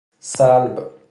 سلب